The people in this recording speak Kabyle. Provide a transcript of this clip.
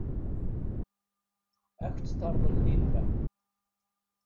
Ad ak-t-terḍel Linda.